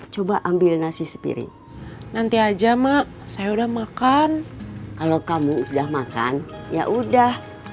coba ambil nasi sepiring nanti aja mak saya udah makan kalau kamu udah makan yaudah